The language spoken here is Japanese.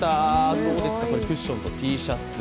どうですかこれ、クッションとＴシャツ。